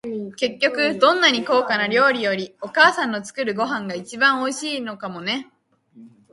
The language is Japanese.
結局、どんなに高価な料理より、お母さんの作るご飯が一番おいしいのかもね。